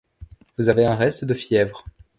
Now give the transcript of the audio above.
Vous avez un reste de fièvre.